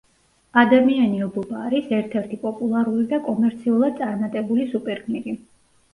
ადამიანი ობობა არის ერთ-ერთი პოპულარული და კომერციულად წარმატებული სუპერგმირი.